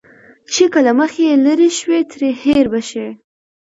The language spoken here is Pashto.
چې که له مخه يې لرې شوې، ترې هېر به شې.